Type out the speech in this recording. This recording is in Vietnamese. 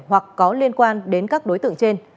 hoặc có liên quan đến các đối tượng trên